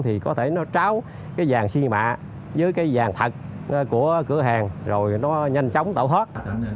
thì có thể nó tráo vàng xi mạ dưới vàng thật của cửa hàng rồi nó nhanh chóng tạo thoát